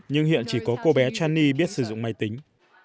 nhưng hiện chỉ có cô bé trany biết sử dụng máy tính